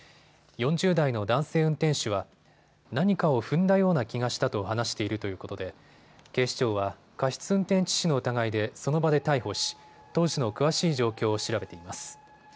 ４０代の男性運転手は何かを踏んだような気がしたと話しているということで警視庁は過失運転致死の疑いでその場で逮捕し当時の詳しい状況を調べています。